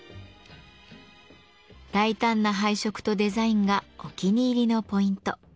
大胆な配色とデザインがお気に入りのポイント。